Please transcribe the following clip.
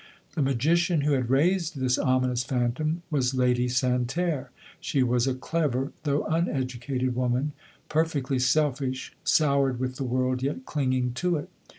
The magician who had raised this ominous phantom, was Lady Santerre. She was a clever though uneducated woman : perfectly selfish, soured with the world, vet clinging to it.